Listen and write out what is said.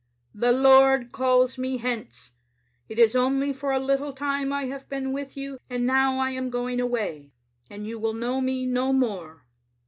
" The Lord calls me hence. It is only for a little time I have been with you, and now I am going away, and you will know me no more.